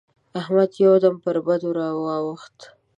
احمد يو دم پر بدو راته واووښت.